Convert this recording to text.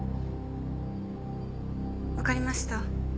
わかりました。